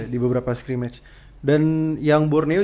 di beberapa scrimatch dan yang borneo